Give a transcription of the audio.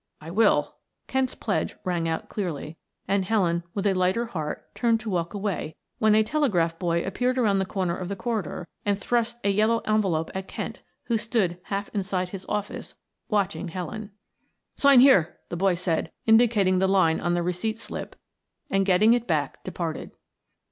"I will!" Kent's pledge rang out clearly, and Helen with a lighter heart turned to walk away when a telegraph boy appeared around the corner of the corridor and thrust a yellow envelope at Kent, who stood half inside his office watching Helen. "Sign here," the boy said, indicating the line on the receipt slip, and getting it back, departed.